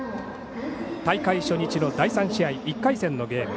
大会初日の第３試合３回戦のゲーム